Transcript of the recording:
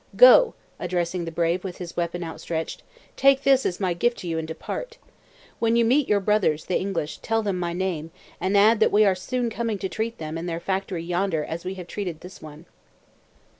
Go," addressing the brave with his weapon outstretched, "take this as my gift to you, and depart. When you meet your brothers, the English, tell them my name, and add that we are soon coming to treat them and their factory yonder as we have treated this one."